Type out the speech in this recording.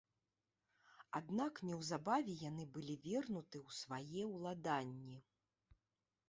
Аднак неўзабаве яны былі вернуты ў свае ўладанні.